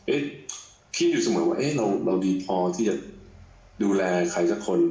เอ๊ะคิดอยู่สมมุติว่าเราดีพอที่จะดูแลใครสักคน